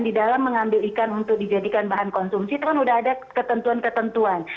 di dalam mengambil ikan untuk dijadikan bahan konsumsi itu kan sudah ada ketentuan ketentuan